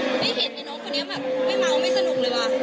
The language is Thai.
ไม่เห็นเนี่ยน้องคุณเนี่ยไม่มาไม่สนุกเลยว่ะ